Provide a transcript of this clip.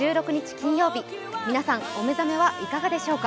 金曜日、皆さん、お目覚めはいかがでしょうか。